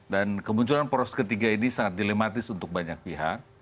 dan kemunculan poros ketiga ini sangat dilematis untuk banyak pihak